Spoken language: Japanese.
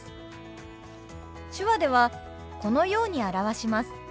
手話ではこのように表します。